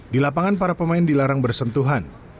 di lapangan para pemain dilarang bersentuhan